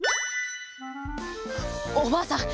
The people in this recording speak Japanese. おばあさん